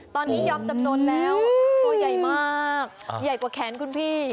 ตอนนี้ยอมจำนวนแล้วตัวใหญ่มากใหญ่กว่าแขนคุณพี่